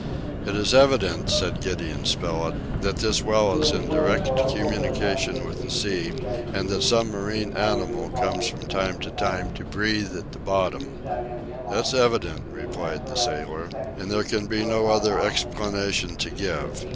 "It is evident," said Gideon Spilett, "that this well is in direct communication with the sea, and that some marine animal comes from time to time to breathe at the bottom." "That's evident," replied the sailor, "and there can be no other explanation to give.